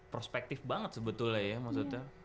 prospektif banget sebetulnya ya maksudnya